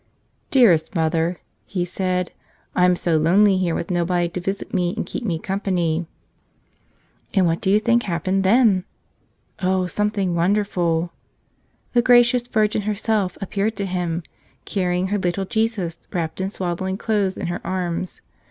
"Dearest Mother," he said, "I'm so lonely here with nobody to visit me and keep me company." And what do you think happened then? Oh, some¬ thing wonderful! The gracious Virgin herself ap¬ peared to him, carrying her little Jesus, wrapped in swaddling clothes, in her arms.